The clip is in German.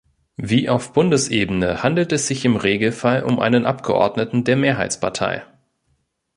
Wie auf Bundesebene handelt es sich im Regelfall um einen Abgeordneten der Mehrheitspartei.